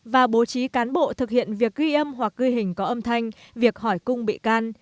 và bố trí cán bộ thực hiện việc ghi âm hoặc ghi hình có âm thanh việc hỏi cung bị can